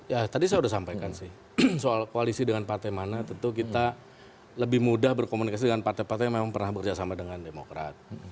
ya tadi saya sudah sampaikan sih soal koalisi dengan partai mana tentu kita lebih mudah berkomunikasi dengan partai partai yang memang pernah bekerja sama dengan demokrat